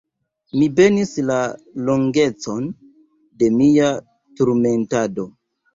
Mi benis la longecon de mia turmentado.